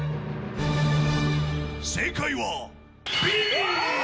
正解はＢ。